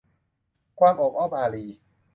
ความโอบอ้อมอารี